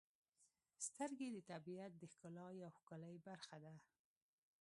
• سترګې د طبیعت د ښکلا یو ښکلی برخه ده.